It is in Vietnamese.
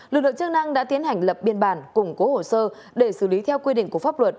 lực lượng chức năng đã tiến hành lập biên bản củng cố hồ sơ để xử lý theo quy định của pháp luật